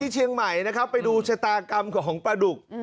เชียงใหม่นะครับไปดูชะตากรรมของปลาดุก